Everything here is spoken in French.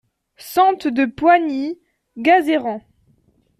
Sente de Poigny, Gazeran